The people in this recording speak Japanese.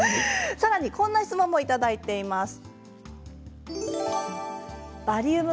さらにこんな質問もいただいています。